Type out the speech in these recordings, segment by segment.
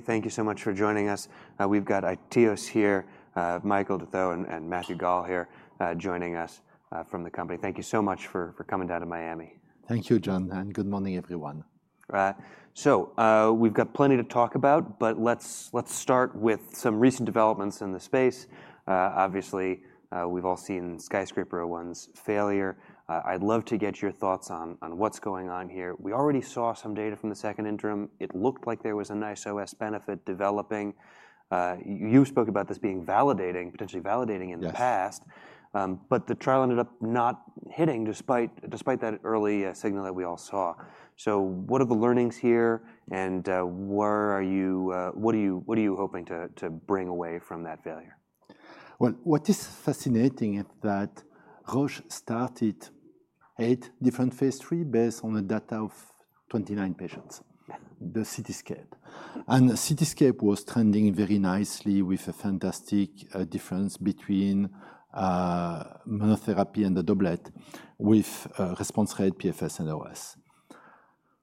Thank you so much for joining us. We've got iTeos here, Michel Detheux, and Matthew Gall here joining us from the company. Thank you so much for coming down to Miami. Thank you, John, and good morning, everyone. Right, so we've got plenty to talk about, but let's start with some recent developments in the space. Obviously, we've all seen SKYSCRAPER-01's failure. I'd love to get your thoughts on what's going on here. We already saw some data from the second interim. It looked like there was a nice OS benefit developing. You spoke about this being validating, potentially validating in the past, but the trial ended up not hitting despite that early signal that we all saw, so what are the learnings here, and what are you hoping to bring away from that failure? What is fascinating is that Roche started eight different phase III based on the data of 29 patients, the CITYSCAPE. And the CITYSCAPE was trending very nicely with a fantastic difference between monotherapy and the doublet with response rate, PFS, and OS.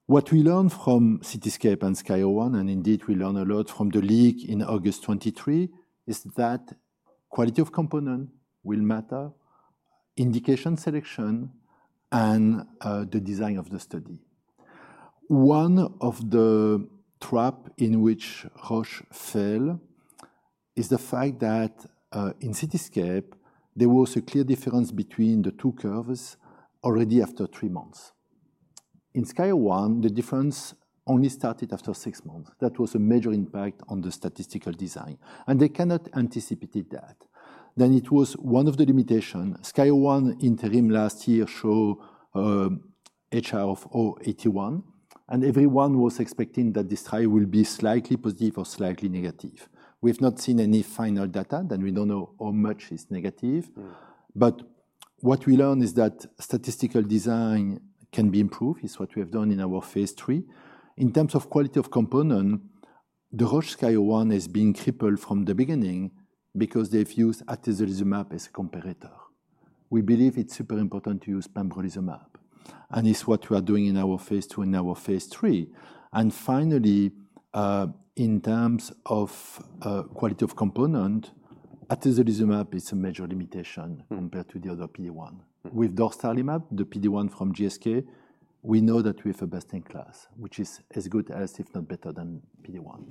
What we learned from CITYSCAPE and SKYSCRAPER-01, and indeed we learned a lot from the leak in August 2023, is that quality of component will matter, indication selection, and the design of the study. One of the traps in which Roche fell is the fact that in CITYSCAPE, there was a clear difference between the two curves already after three months. In SKYSCRAPER-01, the difference only started after six months. That was a major impact on the statistical design, and they cannot anticipate that. Then it was one of the limitations. SKYSCRAPER-01 interim last year showed HR of 0.81, and everyone was expecting that this trial will be slightly positive or slightly negative. We've not seen any final data, then we don't know how much is negative, but what we learned is that statistical design can be improved, is what we have done in our phase III. In terms of quality of component, the Roche SKYSCRAPER-01 has been crippled from the beginning because they've used atezolizumab as a comparator. We believe it's super important to use pembrolizumab, and it's what we are doing in our phase II and our phase III. And finally, in terms of quality of component, atezolizumab is a major limitation compared to the other PD-1. With dostarlimab, the PD-1 from GSK, we know that we have a best-in-class, which is as good as, if not better, than PD-1.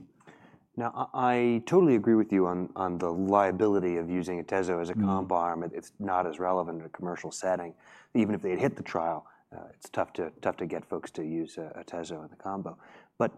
Now, I totally agree with you on the viability of using atezolizumab as a combo, but it's not as relevant in a commercial setting. Even if they'd hit the trial, it's tough to get folks to use atezolizumab as a combo. But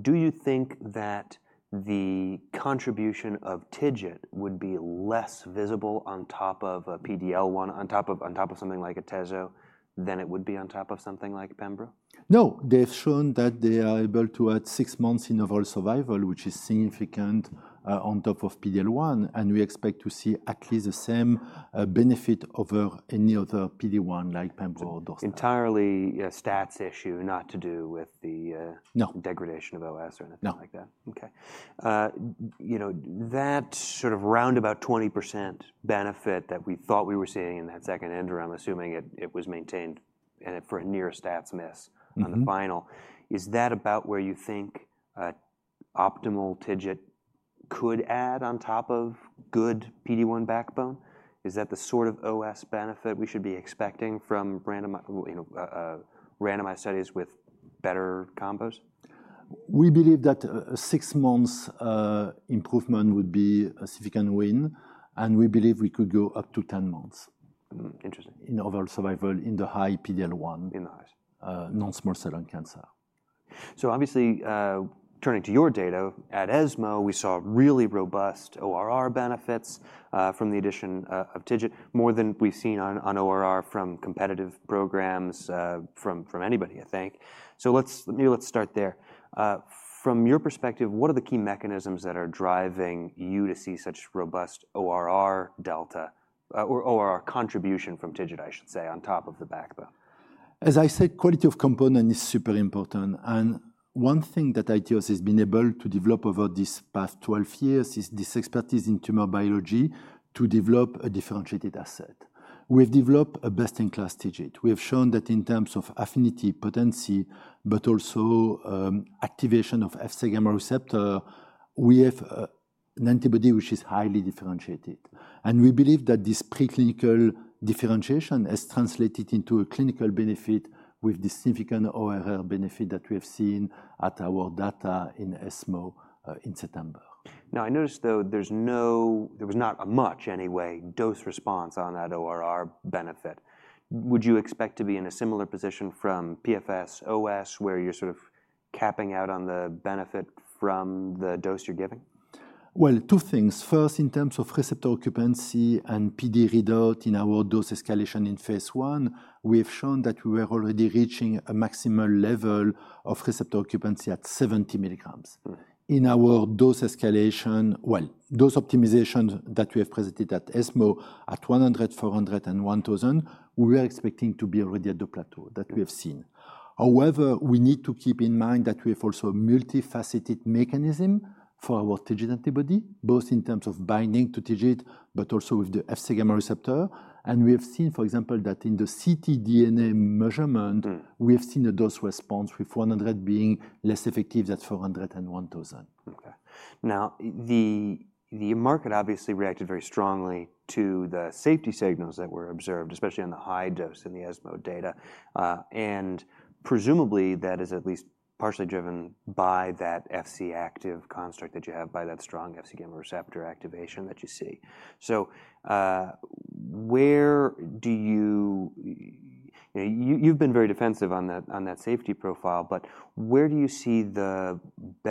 do you think that the contribution of TIGIT would be less visible on top of a PD-L1, on top of something like atezolizumab, than it would be on top of something like pembrolizumab? No. They've shown that they are able to add six months in overall survival, which is significant on top of PD-L1, and we expect to see at least the same benefit over any other PD-1 like pembrolizumab or dostarlimab. Entirely a stats issue, not to do with the degradation of OS or anything like that. No. Okay. That sort of roundabout 20% benefit that we thought we were seeing in that second interim, assuming it was maintained for a near stats miss on the final, is that about where you think optimal TIGIT could add on top of good PD-1 backbone? Is that the sort of OS benefit we should be expecting from randomized studies with better combos? We believe that six months improvement would be a significant win, and we believe we could go up to 10 months. Interesting. In overall survival in the high PD-L1, non-small cell lung cancer. So obviously, turning to your data, at ESMO, we saw really robust ORR benefits from the addition of TIGIT, more than we've seen on ORR from competitive programs, from anybody, I think. So maybe let's start there. From your perspective, what are the key mechanisms that are driving you to see such robust ORR delta or ORR contribution from TIGIT, I should say, on top of the backbone? As I said, quality of component is super important, and one thing that iTeos has been able to develop over these past 12 years is this expertise in tumor biology to develop a differentiated asset. We've developed a best-in-class TIGIT. We have shown that in terms of affinity, potency, but also activation of Fc gamma receptor, we have an antibody which is highly differentiated, and we believe that this preclinical differentiation has translated into a clinical benefit with the significant ORR benefit that we have seen at our data in ESMO in September. Now, I noticed, though, there was not much, anyway, dose response on that ORR benefit. Would you expect to be in a similar position from PFS OS, where you're sort of capping out on the benefit from the dose you're giving? Two things. First, in terms of receptor occupancy and PD readout in our dose escalation in phase I, we have shown that we were already reaching a maximal level of receptor occupancy at 70 mg. In our dose escalation dose optimization that we have presented at ESMO at 100, 400, and 1,000, we were expecting to be already at the plateau that we have seen. However, we need to keep in mind that we have also a multifaceted mechanism for our TIGIT antibody, both in terms of binding to TIGIT, but also with the Fc gamma receptor. And we have seen, for example, that in the ctDNA measurement, we have seen a dose response with 100 being less effective than 400 and 1,000. Okay. Now, the market obviously reacted very strongly to the safety signals that were observed, especially on the high dose in the ESMO data. And presumably, that is at least partially driven by that Fc active construct that you have, by that strong Fc gamma receptor activation that you see. So where do you-- you've been very defensive on that safety profile, but where do you see the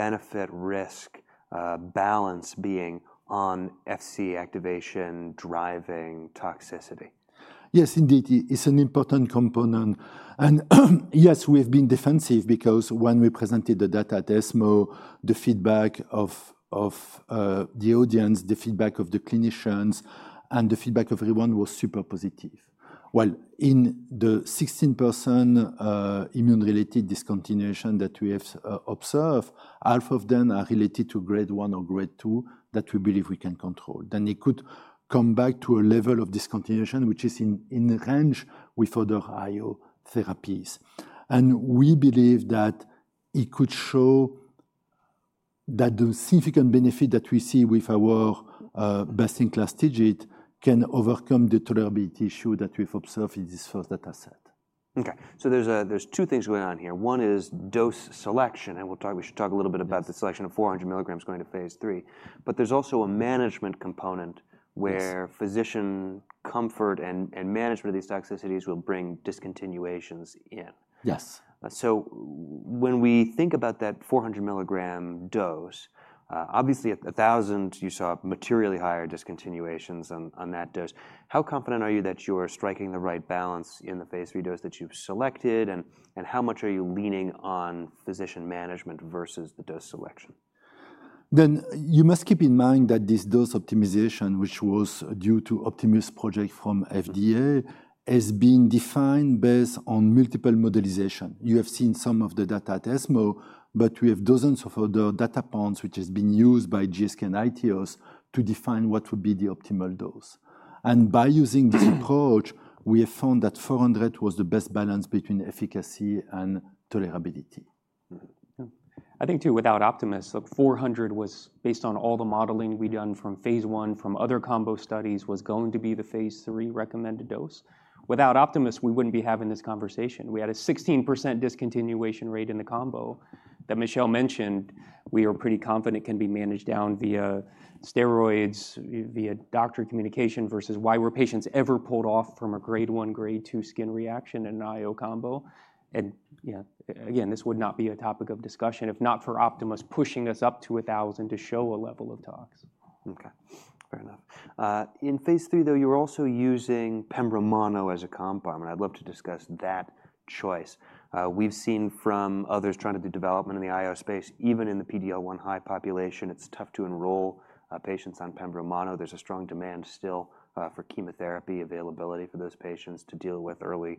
benefit-risk balance being on Fc activation driving toxicity? Yes, indeed. It's an important component. Yes, we have been defensive because when we presented the data at ESMO, the feedback of the audience, the feedback of the clinicians, and the feedback of everyone was super positive. In the 16% immune-related discontinuation that we have observed, half of them are related to grade I or grade II that we believe we can control. It could come back to a level of discontinuation which is in range with other IO therapies. We believe that it could show that the significant benefit that we see with our best-in-class TIGIT can overcome the tolerability issue that we've observed in this first dataset. Okay. So there's two things going on here. One is dose selection, and we should talk a little bit about the selection of 400 milligrams going to phase III. But there's also a management component where physician comfort and management of these toxicities will bring discontinuations in. Yes. So when we think about that 400 milligram dose, obviously, at 1,000, you saw materially higher discontinuations on that dose. How confident are you that you're striking the right balance in the phase III dose that you've selected, and how much are you leaning on physician management versus the dose selection? You must keep in mind that this dose optimization, which was due to Project Optimus from FDA, has been defined based on multiple modalities. You have seen some of the data at ESMO, but we have dozens of other data points which have been used by GSK and iTeos to define what would be the optimal dose. By using this approach, we have found that 400 was the best balance between efficacy and tolerability. I think, too, without Optimus, 400 was, based on all the modeling we'd done from phase I, from other combo studies, was going to be the phase III recommended dose. Without Optimus, we wouldn't be having this conversation. We had a 16% discontinuation rate in the combo that Michel mentioned. We are pretty confident it can be managed down via steroids, via doctor communication versus why were patients ever pulled off from a grade I, grade II skin reaction in an IO combo. And again, this would not be a topic of discussion if not for Optimus pushing us up to 1,000 to show a level of tox. Okay. Fair enough. In phase III, though, you were also using pembrolizumab as a compound, and I'd love to discuss that choice. We've seen from others trying to do development in the IO space, even in the PD-L1 high population, it's tough to enroll patients on pembrolizumab. There's a strong demand still for chemotherapy availability for those patients to deal with early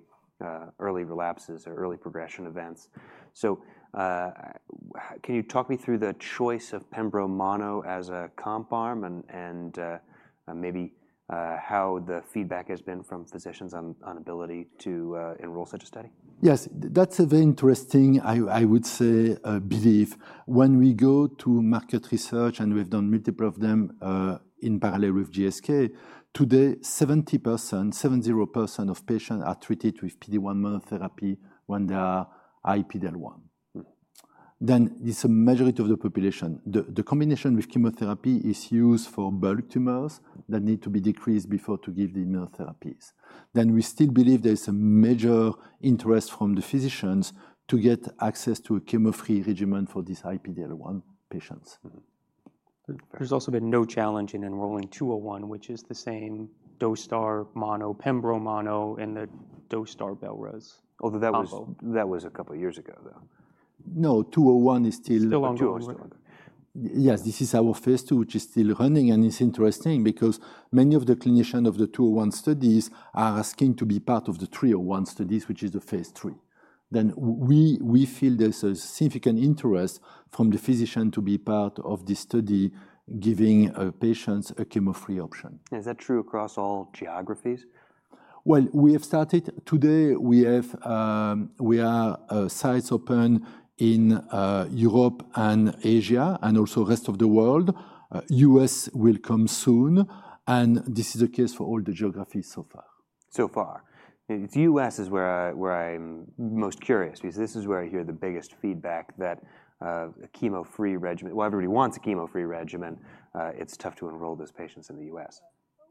relapses or early progression events. So can you talk me through the choice of pembrolizumab as a compound and maybe how the feedback has been from physicians on ability to enroll such a study? Yes. That's a very interesting, I would say, belief. When we go to market research, and we've done multiple of them in parallel with GSK, today, 70%, 70% of patients are treated with PD-1 monotherapy when they are high PD-L1. Then it's a majority of the population. The combination with chemotherapy is used for bulk tumors that need to be decreased before to give the immunotherapies. Then we still believe there's a major interest from the physicians to get access to a chemo-free regimen for these high PD-L1 patients. There's also been no challenge in enrolling 201, which is the same dostarlimab mono, pembrolizumab mono, and the dostarlimab belrestotug. Although that was a couple of years ago, though. No, 201 is still. Still long way. Yes, this is our phase II, which is still running, and it's interesting because many of the clinicians of the 201 studies are asking to be part of the 301 studies, which is the phase III. Then we feel there's a significant interest from the physician to be part of this study giving patients a chemo-free option. Is that true across all geographies? We have started today. We are sites open in Europe and Asia and also rest of the world. U.S. will come soon, and this is the case for all the geographies so far. So far, the U.S. is where I'm most curious because this is where I hear the biggest feedback that a chemo-free regimen, while everybody wants a chemo-free regimen, it's tough to enroll those patients in the U.S.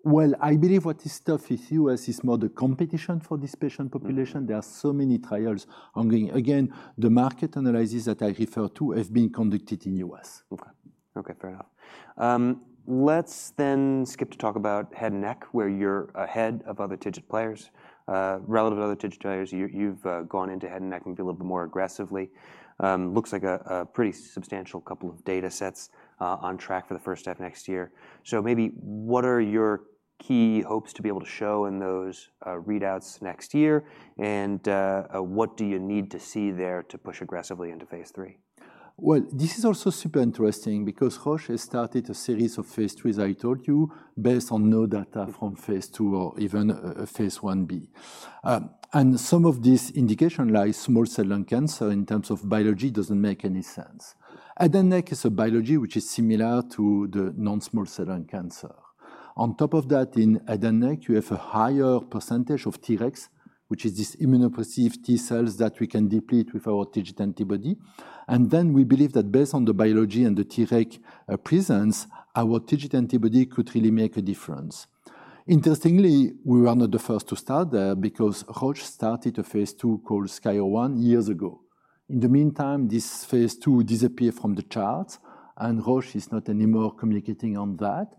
I believe what is tough is U.S. is more the competition for this patient population. There are so many trials ongoing. Again, the market analysis that I refer to has been conducted in U.S. Okay. Fair enough. Let's then skip to talk about Head and Neck, where you're ahead of other TIGIT players. Relative to other TIGIT players, you've gone into Head and Neck maybe a little bit more aggressively. Looks like a pretty substantial couple of datasets on track for the first half next year. So maybe what are your key hopes to be able to show in those readouts next year, and what do you need to see there to push aggressively into phase III? This is also super interesting because Roche has started a series of phase IIIs, I told you, based on no data from phase II or even phase Ib. And some of these indications like small cell lung cancer in terms of biology doesn't make any sense. Head and Neck is a biology which is similar to the non-small cell lung cancer. On top of that, in Head and Neck, you have a higher percentage of Tregs, which is these immunosuppressive T cells that we can deplete with our TIGIT antibody. And then we believe that based on the biology and the Treg presence, our TIGIT antibody could really make a difference. Interestingly, we were not the first to start there because Roche started a phase II called SKYSCRAPER-09 years ago. In the meantime, this phase II disappeared from the charts, and Roche is not anymore communicating on that.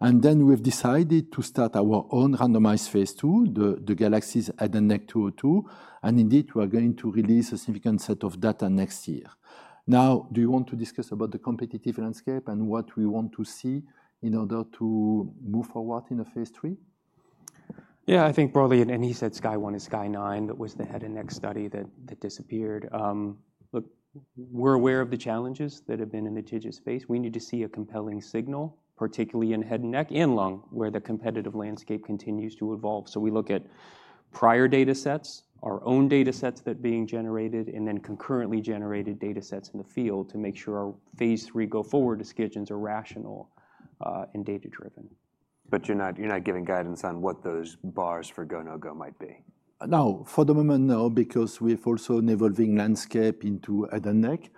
Then we've decided to start our own randomized phase II, the GALAXIES Head & Neck-202. Indeed, we're going to release a significant set of data next year. Now, do you want to discuss about the competitive landscape and what we want to see in order to move forward in a phase III? Yeah, I think broadly, and he said SKYSCRAPER-01 and SKYSCRAPER-09 was the Head and Neck study that disappeared. Look, we're aware of the challenges that have been in the TIGIT space. We need to see a compelling signal, particularly in Head and Neck and Lung, where the competitive landscape continues to evolve. So we look at prior datasets, our own datasets that are being generated, and then concurrently generated datasets in the field to make sure our phase III go forward decisions are rational and data-driven. But you're not giving guidance on what those bars for go/no-go might be? No, for the moment, no, because we have also an evolving landscape into Head and Neck.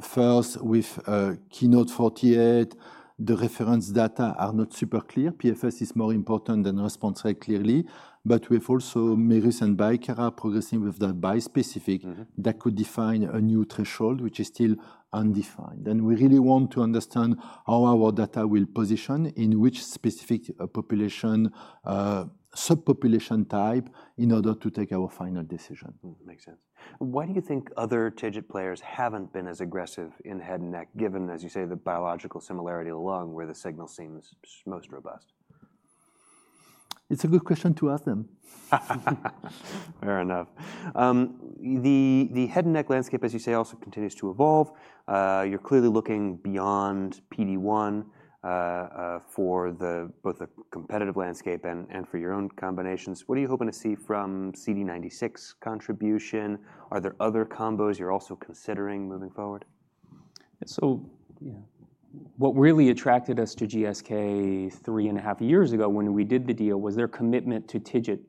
First, with KEYNOTE-048, the reference data are not super clear. PFS is more important than response rate clearly. But we have also Merus and Bicara progressing with the bispecific that could define a new threshold, which is still undefined. And we really want to understand how our data will position in which specific population, subpopulation type in order to take our final decision. Makes sense. Why do you think other TIGIT players haven't been as aggressive in head and neck, given, as you say, the biological similarity of the lung where the signal seems most robust? It's a good question to ask them. Fair enough. The Head and Neck landscape, as you say, also continues to evolve. You're clearly looking beyond PD-1 for both the competitive landscape and for your own combinations. What are you hoping to see from CD96 contribution? Are there other combos you're also considering moving forward? So what really attracted us to GSK three and a half years ago when we did the deal was their commitment to TIGIT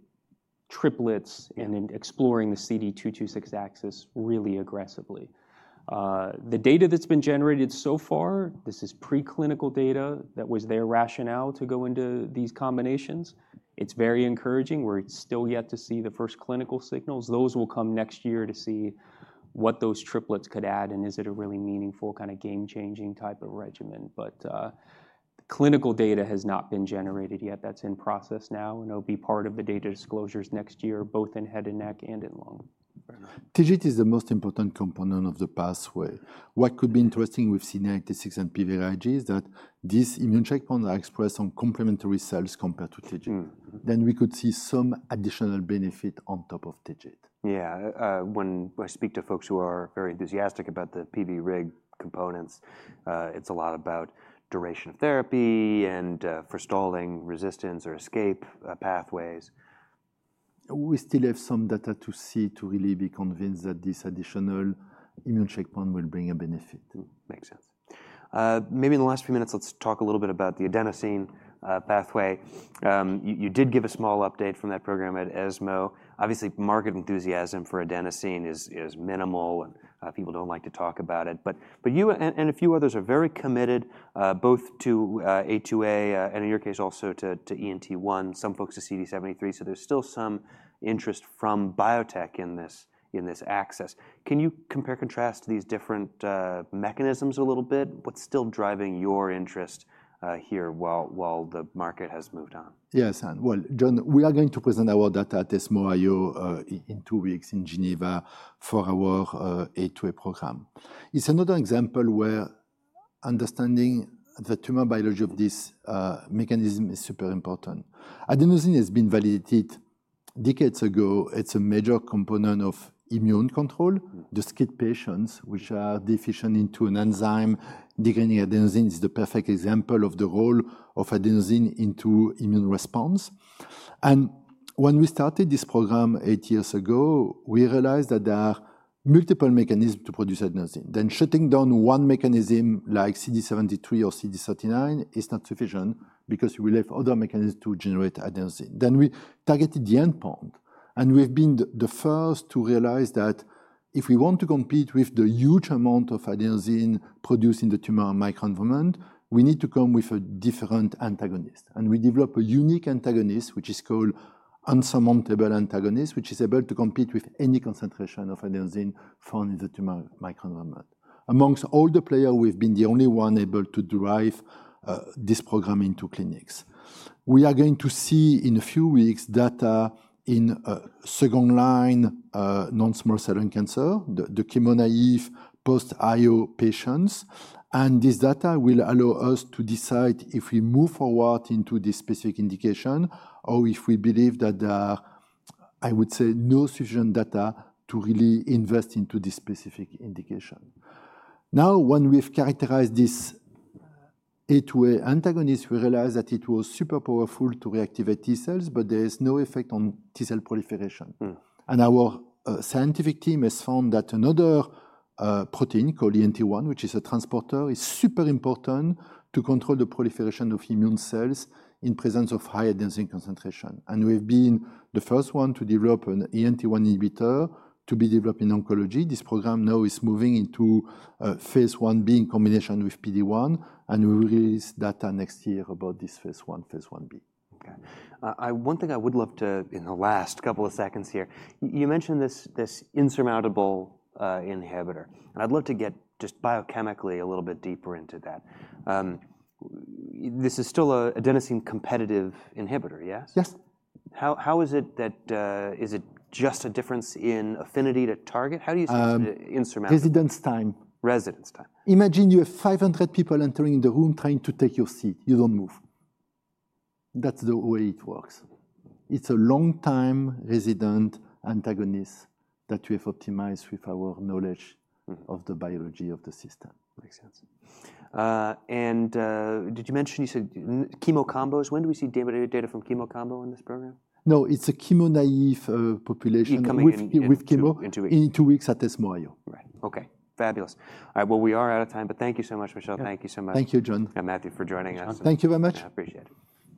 triplets and exploring the CD226 axis really aggressively. The data that's been generated so far, this is preclinical data that was their rationale to go into these combinations. It's very encouraging. We're still yet to see the first clinical signals. Those will come next year to see what those triplets could add and is it a really meaningful kind of game-changing type of regimen. But clinical data has not been generated yet. That's in process now, and it'll be part of the data disclosures next year, both in Head and Neck and in Lung. TIGIT is the most important component of the pathway. What could be interesting with CD96 and PVRIG is that these immune checkpoints are expressed on complementary cells compared to TIGIT. Then we could see some additional benefit on top of TIGIT. Yeah. When I speak to folks who are very enthusiastic about the PVRIG components, it's a lot about duration of therapy and forestalling resistance or escape pathways. We still have some data to see to really be convinced that this additional immune checkpoint will bring a benefit. Makes sense. Maybe in the last few minutes, let's talk a little bit about the adenosine pathway. You did give a small update from that program at ESMO. Obviously, market enthusiasm for adenosine is minimal, and people don't like to talk about it. But you and a few others are very committed both to A2A and, in your case, also to ENT1. Some folks to CD73. So there's still some interest from biotech in this axis. Can you compare and contrast these different mechanisms a little bit? What's still driving your interest here while the market has moved on? Yes, and well, John, we are going to present our data at ESMO IO in two weeks in Geneva for our A2A program. It's another example where understanding the tumor biology of this mechanism is super important. Adenosine has been validated decades ago. It's a major component of immune control. The SCID patients, which are deficient in an enzyme degrading adenosine, is the perfect example of the role of adenosine in the immune response. And when we started this program eight years ago, we realized that there are multiple mechanisms to produce adenosine. Then shutting down one mechanism like CD73 or CD39 is not sufficient because we will have other mechanisms to generate adenosine. Then we targeted the ENT1, and we've been the first to realize that if we want to compete with the huge amount of adenosine produced in the tumor microenvironment, we need to come with a different antagonist. We developed a unique antagonist, which is called insurmountable antagonist, which is able to compete with any concentration of adenosine found in the tumor microenvironment. Among all the players, we've been the only one able to derive this program into clinics. We are going to see in a few weeks data in second-line non-small cell lung cancer, the chemo-naive post-IO patients. This data will allow us to decide if we move forward into this specific indication or if we believe that there are, I would say, no sufficient data to really invest into this specific indication. Now, when we've characterized this A2A antagonist, we realized that it was super powerful to reactivate T cells, but there is no effect on T cell proliferation. Our scientific team has found that another protein called ENT1, which is a transporter, is super important to control the proliferation of immune cells in presence of high adenosine concentration. We've been the first one to develop an ENT1 inhibitor to be developed in oncology. This program now is moving into phase IB in combination with PD-1, and we will release data next year about this phase I, phase IB. Okay. One thing I would love to, in the last couple of seconds here, you mentioned this insurmountable inhibitor, and I'd love to get just biochemically a little bit deeper into that. This is still an adenosine competitive inhibitor, yes? Yes. How is it that is it just a difference in affinity to target? How do you see insurmountable? Residence time. Residence time. Imagine you have 500 people entering the room trying to take your seat. You don't move. That's the way it works. It's a long residence time antagonist that we have optimized with our knowledge of the biology of the system. Makes sense. And did you mention you said chemo combos? When do we see data from chemo combo in this program? No, it's a chemo-naive population with chemo in two weeks at ESMO IO. Right. Okay. Fabulous. All right. Well, we are out of time, but thank you so much, Michel. Thank you so much. Thank you, John. Matthew, for joining us. Thank you very much. I appreciate it.